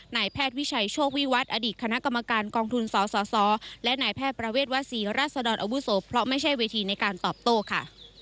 นายแพทย์วิชัยโชควิวัฒน์อดีตคณะกรรมการกองทุนสสและนายแพทย์ประเวทวศรีราษดรอวุโสเพราะไม่ใช่เวทีในการตอบโต้ค่ะ